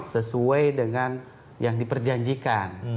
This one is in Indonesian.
sesuai dengan yang diperjanjikan